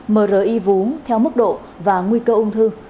mri vú theo mức độ và nguy cơ ung thư